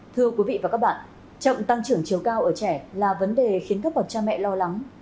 thưa quý vị và các bạn chậm tăng trưởng chiều cao ở trẻ là vấn đề khiến các bậc cha mẹ lo lắng